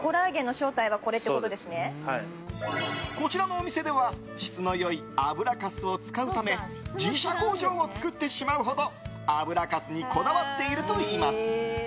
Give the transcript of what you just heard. こちらのお店では質の良い油かすを使うため自社工場を作ってしまうほど油かすにこだわっているといいます。